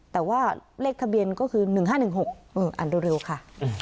แต่ว่าเลขทะเบียนก็คือ๑๕๑๖อ่านเร็วค่ะ